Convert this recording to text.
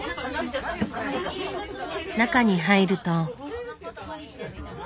中に入ると。